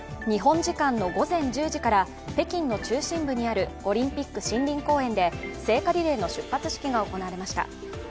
日本時間の午前１０時から北京の中心部にあるオリンピック森林公園で聖火リレーの出発式が行われました。